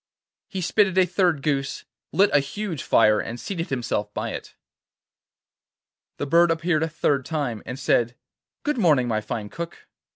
He spitted a third goose, lit a huge fire, and seated himself by it. The bird appeared a third time, and said: 'Good morning, my fine Cook.